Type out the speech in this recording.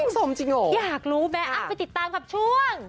สมจริงโหอยากรู้ไปติดตามครับช่วง